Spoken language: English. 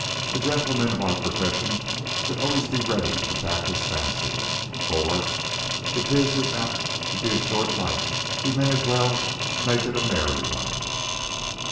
A gentleman of our profession should always be ready to back his fancy, for if his is apt to be a short life he may as well make it a merry one."